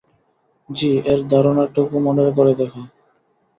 জি-এর ধারণাটুকু মনে করে দেখা।